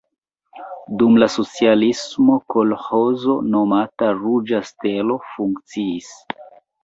Dum la socialismo kolĥozo nomata Ruĝa Stelo funkciis.